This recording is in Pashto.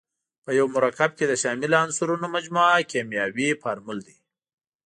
په یو مرکب کې د شاملو عنصرونو مجموعه کیمیاوي فورمول دی.